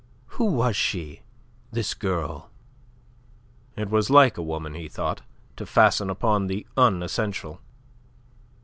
"Who was she, this girl?" It was like a woman, he thought, to fasten upon the unessential.